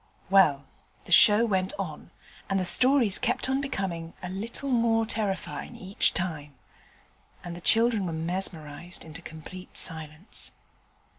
Well, the show went on, and the stories kept on becoming a little more terrifying each time, and the children were mesmerized into complete silence.